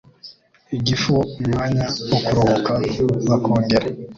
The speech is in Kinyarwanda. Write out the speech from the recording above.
igifu umwanya wo kuruhuka, bakongera